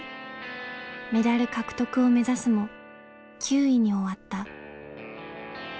メダル獲得を目指すも９位に終わった。